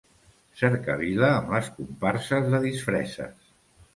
Cercavila amb les comparses de disfresses.